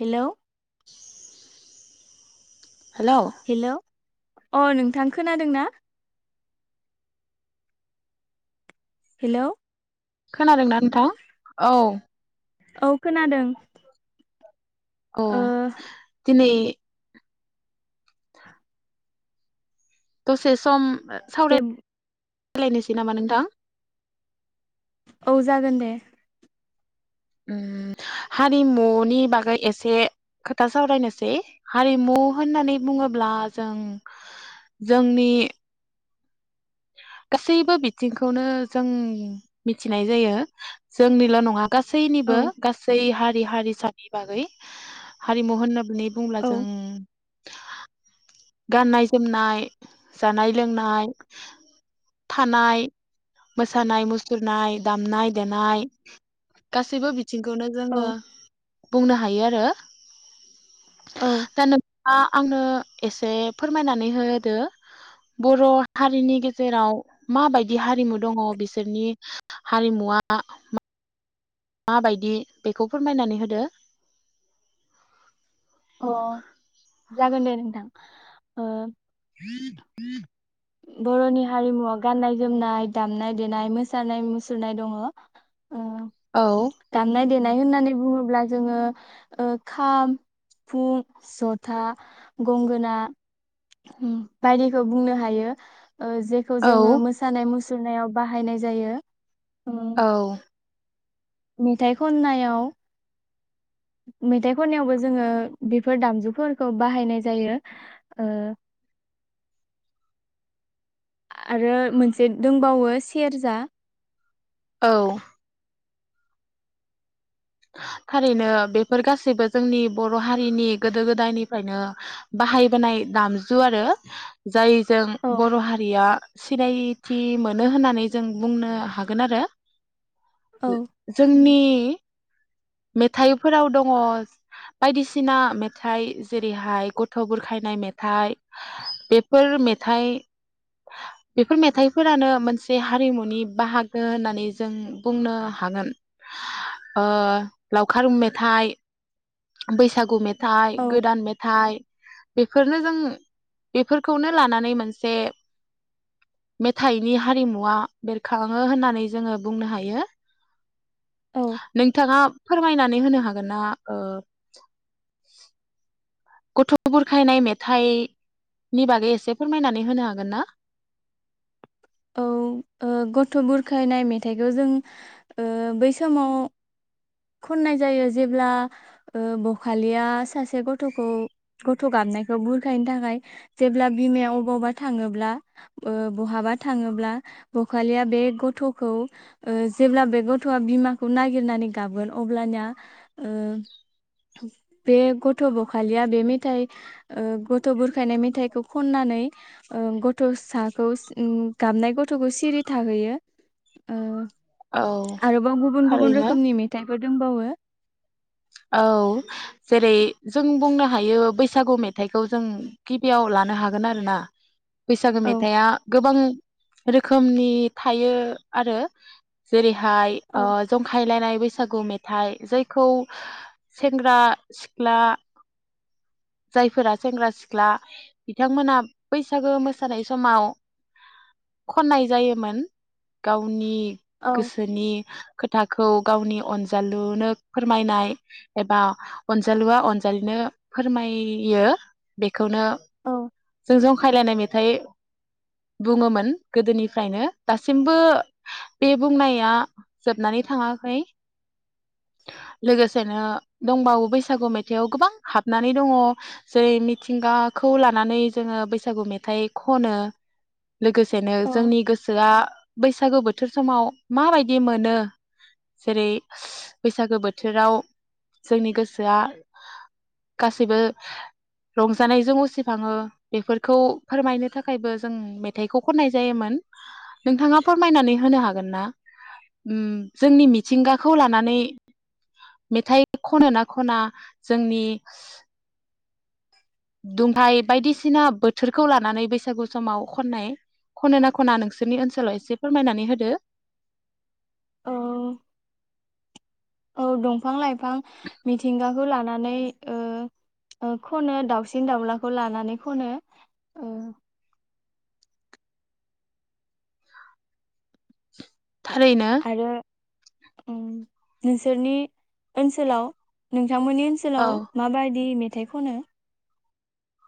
Hello. Hello. Hello अ नोंथां खोनादों ना? हेलौ खोनादोंना नोंथां औ। औ खोनादों। अ ओ दिनै द'से सम दे सावराय सोलायनोसै नामा नोंथां? औ जागोन दे। ओ हारिमुनि बागै एसे खोथा सावरायनोसै हारिमु होननानै बुङोब्ला जों जोंनि गासैबो बिथिंखौनो जों मिथिनाय जायो जोंनिल' नङा औ गासैनिबो गासै हारि हारि सानि बागै हारिम होनना होननानै बुंब्ला औ जों गाननाय जोमनाय जानाय लोंनाय थानाय मोसानाय मुसुरनाय दामनाय देनाय गासैबो बि बिथिंखौनो जोंङो औ बुंनो हायो आरो। [unintelligible] औ आ आंनो एसे फोरमायनानै होदो बर' हारिनि गेजेराव माबायदि हारिमु दङ बिसोरनि हारिमुवा माबायदि बेखौ फोरमायनानै होदो अ जागोन दे नोंथां ओ [unintelligible] बर'नि हारिमुआव गाननाय जोमनाय दामनाय देनाय मोसानाय मुसुरनाय दङ। औ नाय होननानै बुङोब्ला जोंङो ओ खाम फुं जथा गंगोना बायदिखौ बुंनो हायो। ओ जेखौ औ जोंङो मोसानाय मुस सुरनायाव बाहायनाय जायो। ओ औ। मेथाइ खननायाव मेथाइ खननायावबो जोङो बेफोर दामजुफोरखौ बाहायनाय जायो ओ आरो मोनसे दोंबावो। बो सेर्जा। औ। थारैनो बेफोर गासैबो जोंनि बर हारिनि गोदो गोदायनिफ्रायनो बाहायबोनाय दामजु आरो जाय जों औ बर हारिया सिनायि थि मोनो होननानै जों बुंनो हागोन आरो। औ जोंनि मेथाइफोराव दङ बायदिसिना मेथाइ जेरैहाय गथ बुरखायनाय मेथाइ बेफोर मेथाइ बेफोर मेथाइफोरानो मोनसे हारिमुनि बाहागो होननानै जों बुंनो हागोन। ओ लावखार मेथाइ बैसागु मेथ मेथाइ औ गोदान मेथाइ बेफोरनो जों बेफोरखौनो लानानै मोनसे मेथाइनि हारिमुवा बेरखाङो होननानै जोङो बुंनो हायो। औ। नोंथाङा फोरमायनानै होनो हागोन ना? ओ गथ बुरखायनाय मेथाइनि बागै एसे फोरमायनानै होनो हागोन ना? औ ओ गथ बुरखायनाय मेथाइखौ जों ओ बै समाव खननाय जायो जेब्ला ओ बखालिया सासे गथखौ गथ गाबनायखौ बुरखायनो थाखाय जेब्ला बिमाया अबावबा थाङोब्ला ओ बहाबा थाङोब्ला बखालिया बे गथखौ ओ जेब्ला बे गथआ बिमाखौ नागिरनानै गाबगोन अब्लानिया ओ बे गथ बखालिया बे मेथाइ ओ गथ बुरखायनाय मेथाइखौ खननानै ओ गथसाखौ उम गाबनाय गथखौ सिरि थाहैयो ओ औ आरोबाव गुबुन गुबुन थारैनो रोखोमनि मेथाइ बो दोंबावो। औ जेरै जों बुंनो हायो बैसागु मेथाइखौ जों गिबियाव लानो हागोन आरो ना। बैसागो औ मेथाइआ गोबां रोखोमनि थायो आरो जेरै हाय औ ओ जंखायलायनाय बैसागु मेथाइ जायखौ सेंग्रा सिख्ला जायफोरा सेंग्रा सिख्ला बिथांमोना बैसागो मोसानाय समाव खननाय जायोमोन गावनि औ गोसोनि खोथा खौ गावनि अनजालुनो फोर मायनाय एबा अनजालुआ अनजालिनो फोरमायो बे खौनो औ जों जंखायलायनाय मेथाइ बुङोमोन गोदोनिफ्रायनो दासिमबो बे बुंनाया जोबनानै थाङाखै। लोगोसेनो दंबावो बैसागु मेथाइआव गोबां हाबनानै दङ जेरै मिथिंगाखौ लानानै जोङो बैसागु मेथाइ खनो। लोगोसेनो जोंनि गोसोआ बैसागु बोथ बोथोर समाव माबायदि मोनो जेरै बैसागो बोथोराव जोंनि गोसोआ गासैबो रंजानायजों उसिखाङो बेफोरखौ फोरमायनो थाखायबो जों मेथाइखौ खननाय जायोमोन नोंथाङा फोरमायनानै होनो हागोन ना? उम जोंनि मिथिंगाखौ लानानै मेथाइ खनो ना खना जोंनि [inaudible] दुंहाय बायदिसिना बोथोरखौ लानानै बैसागु समाव खननाय खनो ना खना नोंसोरनि ओनसोलाव एसे फोरमायनानै होदो। औ औ दंफां लाइफ फां मिथिंगा खौ लानानै ओ ओ खनो दाउसिन दाउलाखौ लानानै खनो ओ थारैनो आरो उम नोंसोरनि ओनसोलाव नों नोंथांमोननि औ ओनसोलाव माबायदि मे थाइ खनो?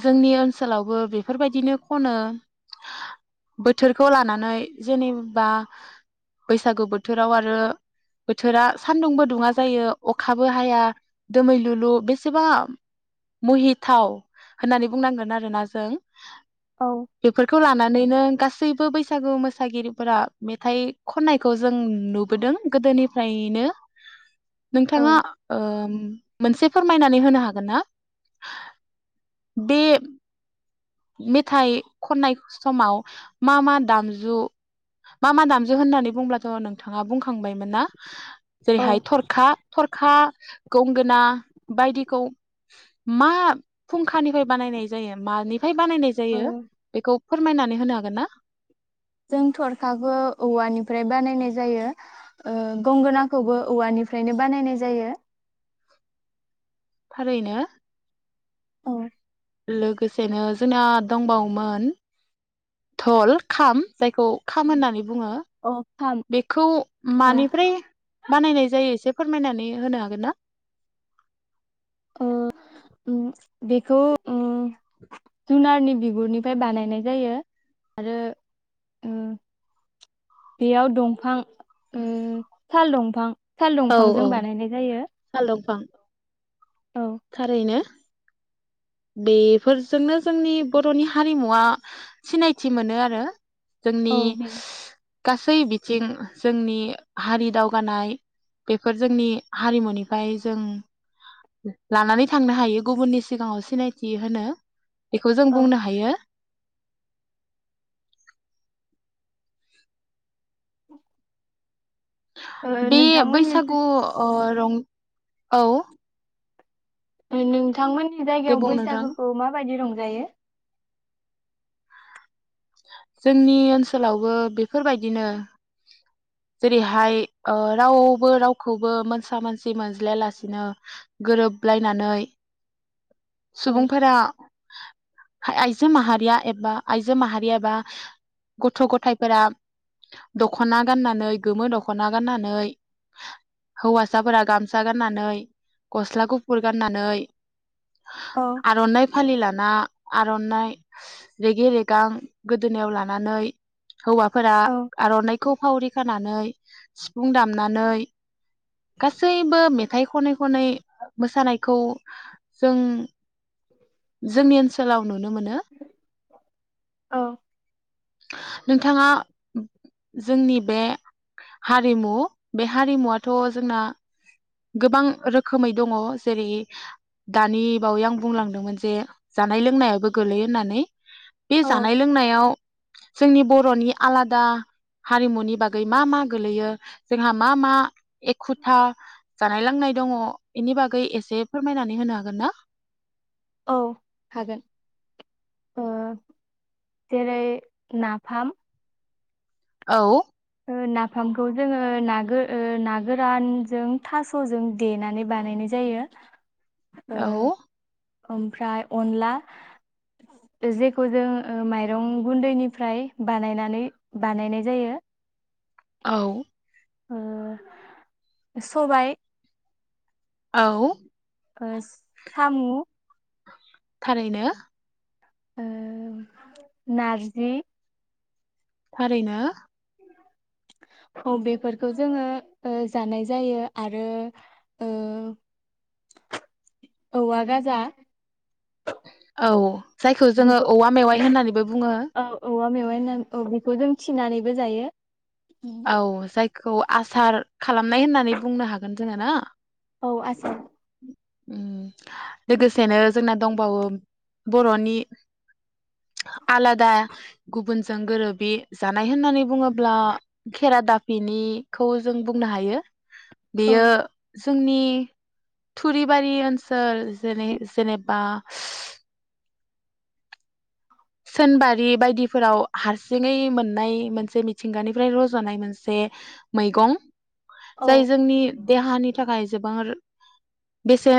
जोंनि ओनसोलावबो बेफोरबायदिनो खनो बोथोरखौ लानानै जेनेबा बैसागु बोथोराव आरो बोथोरा सान्दुंबो दुङा जायो अखाबो हाया दोमै लुलु बेसेबा मुहिथाव। होननानै बुंनांगोन आरोना जों। औ बेफोरखौ लाना नैनो गासैबो बैसागु मोसागिरिफोरा मेथाइ खननायखौ जों नुबोदों गोदोनिफ्रायनो औ नोंथाङा ओम मोनसे फोरमायनानै होनो हागोन ना? बे मेथाइ खननाय समाव मा मा दामजु मा मा दामजु होननानै बुंब्लाथ' नोंथाङा बुंखांबायमोन ना? औ जेरैहाय थरखा थरखा गंगोना बायदिखौ मा? फुंखानिफ्राय बानायनाय जायो मानि? बानायनाय ओ जायो बेखौ फोरमायनानै होनो हागोन ना? जों थरखाखो औवानिफ्राय बानायनाय जायो। ओ गंगोनाखौबो औवानिफ्रायनो बानायनाय जायो। थारैनो। औ लोगोसेनो जोंना दंबावोमोन धल खाम जायखौ खाम होननानै बुङो अ खाम बेखौ मानिफ्राय बानायनाय जायो एसे फोरमायनानै होनो हागोन ना? ओ उम बेखौ उम जुनारनि बिगुरनिफ्राय बानायनाय जायो आरो उम बेयाव दंफां ओ साल दंफां साल औ दंफांजों औ बानायनाय जायो। साल दंफां औ थारैनो बेफोरजोंनो जोंनि बर'नि हारिमुवा सिनायथि मोनो आरो जोंनि औ बे गासै बिथिं जोंनि हारि दावगानाय बेफोर जोंनि हारिमुनिफ्राय जों लानानै थांनो हायो गुबुननि सिगाङाव सिनायथि होनो। बेखौ जों औ बुंनो हायो। [inaudible] ओ बे नोंथांमोननि बैसागु अ रं औ [unintelligible] बिथांमोननि दे जायगायाव बुं नोंथां बैसागोखौ माबायदि रंज जायो। जोंनि ओनसोलावबो बेफोरबायदिनो जेरैहाय ओ रावबो रावखौबो मोनसा मोनसि मोनज्लायालासिनो गोरोबलायनानै औ सुबुंफोरा आइजो माहारिया एबा आइजो माहारि एबा गथ' गथायफोरा दख'ना गाननानै गोमो दख'ना गाननानै हौवासाफोरा गामसा गाननानै गस्ला गुफुर गाननानै औ आर'नाइ फालि लाना आर'नाइ रेगे रेगां गोदोनायाव लानानै हौवाफोरा औ आर'नाइखौ फावरि खानानै सिफुं दामनानै गासैबो मेथाइ खनै खनै मोसानायखौ जों जोंनि ओनसोलाव नुनो मोनो। औ नोंथाङा जोंनि बे हारिमु बे हारिमुआथ' जोंना गोबां रोखोमै दङ जेरै दानि बावै आं बुंलांदोंमोन जे जानाय लोंनायाबो गोलैयो होननानै। बे औ जानाय लोंनायाव जोंनि बर'नि आलादा हारिमुनि बागै मा मा गोलैयो जोंहा मा मा? एखुथा जानाय लोंनाय दङ इनि बागै एसे फोरमायनानै होनो हागोन ना? औ हागोन ओ जेरै नाफाम औ ओ नाफामखौ जोङो नागो ओ ना गोरानजों थास'जों देनानै बानायनाय जायो। ओ औ ओमफ्राय अनला जेखौ जों ओ माइरं गुन्दैनिफ्राय बानायनानै बानायनाय जायो। औ ओ सबाय औ ओस सामु थारैनो। ओ नारजि थारैनो। औ बेफोरखौ जोङो ओ जानाय जायो आरो ओ औवा गाजा औ जायखौ जोङो बेखौ औवा मेवाइ होननानैबो बुङो। औ औवा मेवाइ होनान औ बेखौ जों थिनानैबो जायो। औ जाय खौ आसार खालामनाय होननानै बुंनो हागोन जोङो ना औ आसार उम लोगोसेनो जोंना दंबावो बर'नि आलादा गुबुनजों गोरोबि जानाय होननानै बुङोब्ला खेरा दाफिनिखौ जों बुंनो हायो औ बियो जोंनि थुरिबारि ओनसोल जेने जेनेबा सोनबारि बायदिफोराव हारसिङै मोननाय मोनसे मिथिंगानिफ्राय रज'नाय मोनसे मैगं औ जाय जोंनि देहानि थाखाय जोबोर बेसे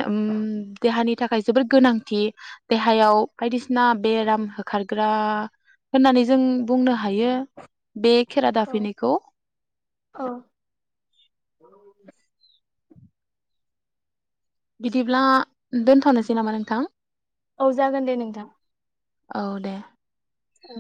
देहानि थाखाय जोबोर गोनांथि देहायाव बायदिसि ना बेराम हो ग्रा होननानै जों बुंनो ह हायो बे खेरा औ दाफिनिखौ बिदिब्ला दोनथ'नोसै नामा नोंथां औ जागोन दे नोंथां औ दे औ